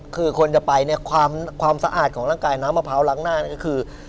คือคนจะไปเนี่ยความสะอาดของร่างกายน้ำมะพร้าวล้างหน้าก็คือ